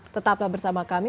tetaplah bersama kami